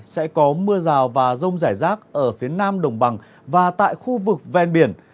sẽ có mưa rào và rông rải rác ở phía nam đồng bằng và tại khu vực ven biển